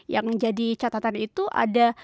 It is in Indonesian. yang menjadi catatan itu ada